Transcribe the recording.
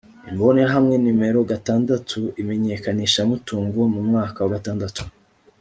imbonerahamwe nomero gatandatu imenyekanishamutungo mu mwaka wa gatandatu